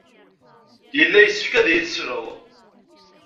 Yella yessefk ad iyi-tesleḍ.